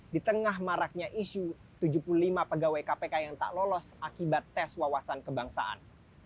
di tengah maraknya isu tujuh puluh lima pegawai kpk yang tak lolos akibat tes wawasan kebangsaan